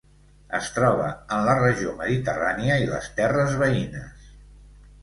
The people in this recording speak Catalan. Es troba en la regió mediterrània i les terres veïnes.